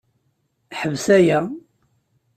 Ḥbes aya!